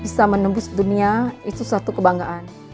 bisa menembus dunia itu satu kebanggaan